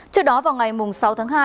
trước đó vào ngày sáu tháng hai